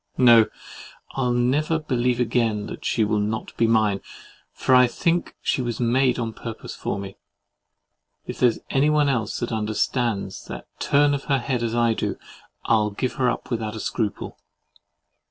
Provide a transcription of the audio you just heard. No, I'll never believe again that she will not be mine; for I think she was made on purpose for me. If there's anyone else that understands that turn of her head as I do, I'll give her up without scruple.